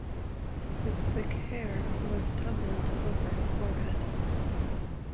His thick hair was tumbled over his forehead.